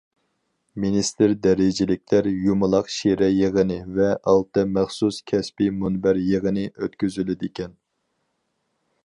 مىنىستىر دەرىجىلىكلەر يۇمىلاق شىرە يىغىنى ۋە ئالتە مەخسۇس كەسپىي مۇنبەر يىغىنى ئۆتكۈزۈلىدىكەن.